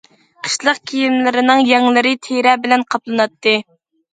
قىشلىق كىيىملىرىنىڭ يەڭلىرى تېرە بىلەن قاپلىناتتى.